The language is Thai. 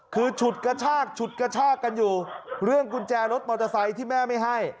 คือฉุดกระชากฉุดกระชากกันอยู่เรื่องกุญแจรถมอเตอร์ไซค์ที่แม่ไม่ให้